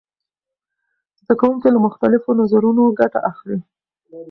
زده کوونکي له مختلفو نظرونو ګټه اخلي.